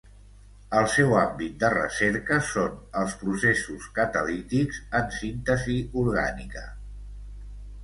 El seu àmbit de recerca són els processos catalítics en síntesi orgànica.